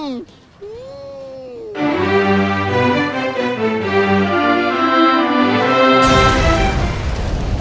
อูววว